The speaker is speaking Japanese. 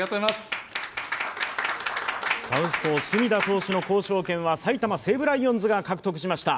サウスポー・隅田投手の交渉権は埼玉西武ライオンズが獲得しました。